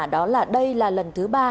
đó là đây là lần thứ ba